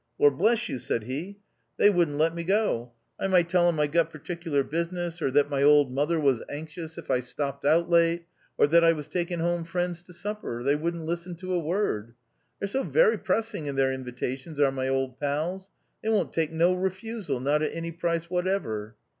" Lor' bless you," said he, " they wouldn't 200 THE OUTCAST let me go. I might tell 'em I'd got par ticular business, or that my old mother was anxious if I stopped out late, or that I was taking home friends to supper — they wouldn't listen to a word. They're so wery pressing in their invitations, are my old pals, they won't take no refusal, not at any price whatever."